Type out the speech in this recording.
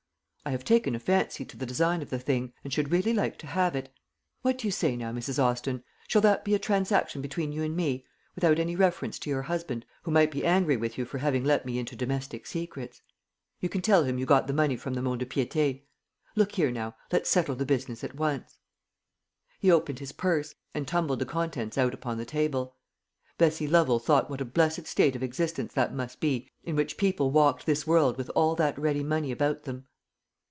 I have taken a fancy to the design of the thing, and should really like to have it. What do you say now, Mrs. Austin shall that be a transaction between you and me, without any reference to your husband, who might be angry with you for having let me into domestic secrets? You can tell him you got the money from the mont de piété. Look here, now; let's settle the business at once." He opened his purse, and tumbled the contents out upon the table. Bessie Lovel thought what a blessed state of existence that must be in which people walked this world with all that ready money about them.